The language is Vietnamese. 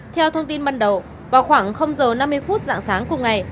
theo thông tin ban đầu vào khoảng h năm mươi phút dạng sáng cùng ngày